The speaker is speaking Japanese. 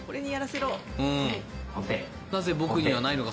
なぜ僕にはないのか。